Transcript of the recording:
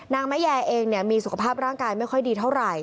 นางแม่แยเองมีสุขภาพร่างกายไม่ค่อยดีเท่าไหร่